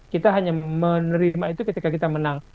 kita hanya menerima itu ketika kita menang